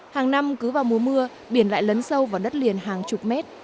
hàng năm cứ vào mùa mưa biển lại lấn sâu vào đất liền hàng chục mét